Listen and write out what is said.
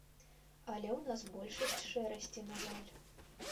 Але ў нас больш шэрасці, на жаль.